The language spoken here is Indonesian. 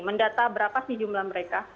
mendata berapa sih jumlah mereka